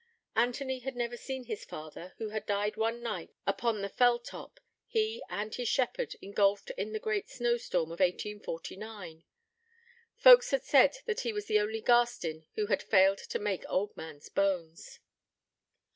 Anthony had never seen his father, who had died one night, upon the fell top, he and his shepherd, engulfed in the great snowstorm of 1849. Folks had said that he was the only Garstin who had failed to make old man's bones.